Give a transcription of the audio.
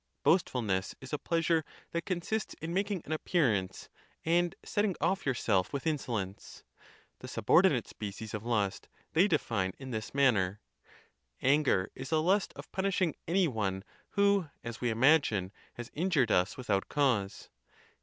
Boastfulness is a pleasure that consists in making an appearance, and setting off your self with insolence.—The subordinate species of lust they define in this manner: Anger is a lust of punishing any one who, as we imagine, has injured us without cause.